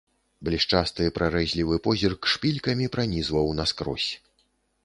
Блішчасты прарэзлівы позірк шпількамі пранізваў наскрозь.